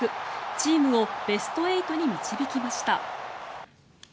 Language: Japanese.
チームをベスト８に導きました。